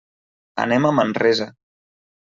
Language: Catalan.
Anem a Manresa.